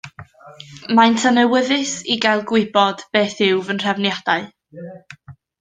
Maent yn awyddus i gael gwybod beth yw fy nhrefniadau.